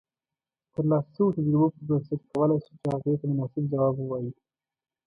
د ترلاسه شويو تجربو پر بنسټ کولای شو چې هغې ته مناسب جواب اوایو